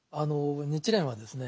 日蓮はですね